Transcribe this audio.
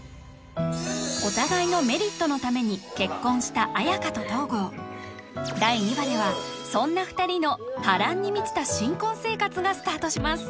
お互いのメリットのために結婚した綾華と東郷第２話ではそんな二人の波乱に満ちた新婚生活がスタートします